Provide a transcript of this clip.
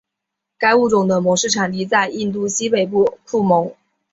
该物种的模式产地在印度西北部库蒙。